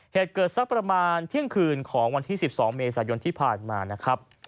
เหตุเกิดสักประมาณเที่ยงคืนของวันที่๑๒เมษายนที่ผ่านมานะครับ